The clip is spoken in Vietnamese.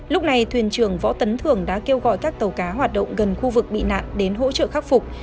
lúc này thuyền trưởng võ tấn thường đã kêu gọi các tàu cá hoạt động gần khu vực bị nạn đến hỗ trợ khắc phục